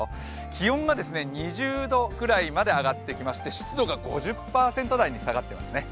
気温が２０度くらいまで上がってきまして湿度が５０％台に下がっていますね。